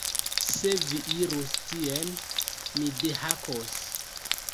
Se vi irus tien, mi dehakos